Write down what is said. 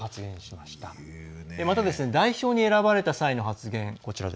また、代表に選ばれた際の発言。